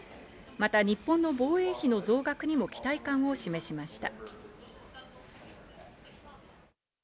また日本の防衛費の増額にも期待感を示しました。